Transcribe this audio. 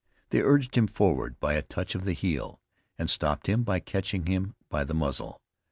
They urged him forward by a touch of the heel, and stopped him by catching him by the muzzle.